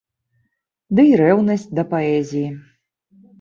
Дый рэўнасць да паэзіі.